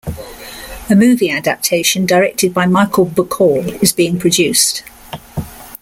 A movie adaptation directed by Michael Bacall is being produced.